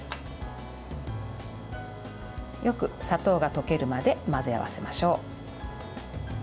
よく砂糖が溶けるまで混ぜ合わせましょう。